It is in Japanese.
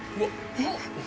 えっ？